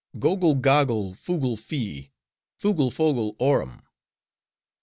"Gogle goggle, fugle fi, fugle fogle orum!"